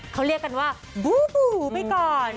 เขาเรียกกันว่าบูบูไปก่อน